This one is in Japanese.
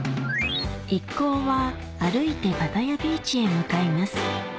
一行は歩いてパタヤビーチへ向かいます